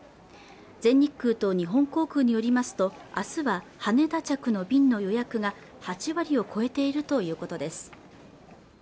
全日空と日本航空によりますとあすは羽田着の便の予約が８割を超えているということです